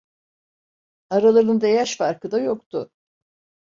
Aralarında yaş farkı da yoktu.